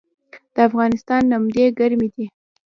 د افغانستان نمدې ګرمې دي